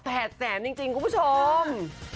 แสนจริงคุณผู้ชม